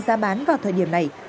giá bán vào thời điểm này